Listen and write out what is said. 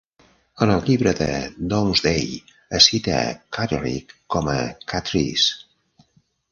En el Llibre de Domesday es cita a Catterick com a "Catrice".